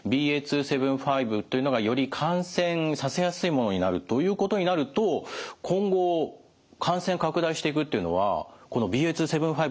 ＢＡ．２．７５というのがより感染させやすいものになるということになると今後感染拡大していくっていうのはこのＢＡ．２．７５になっていく。